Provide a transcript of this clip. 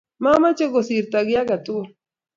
Mamoche kosirto kiy age tugul.